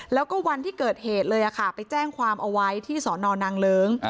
แล้วก็วันที่เกิดเหตุเลยไปแจ้งความเอาไว้ที่สนนางเลิ้ง